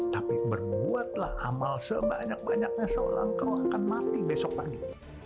tapi berbuatlah amal sebanyak banyaknya seolah engkau akan mati besok pagi